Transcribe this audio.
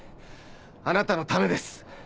あなたのためです。